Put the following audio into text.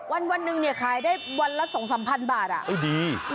วันหนึ่งเนี่ยขายได้วันละสองสามพันบาทเอ้ยดี